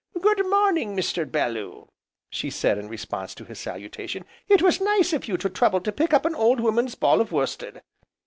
"Good morning, Mr. Bellew!" she said in response to his salutation, "it was nice of you to trouble to pick up an old woman's ball of worsted."